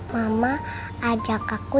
mama ajak aku